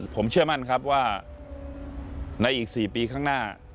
ผมเชื่อมั่นครับว่าในอีก๔ปีข้างหน้า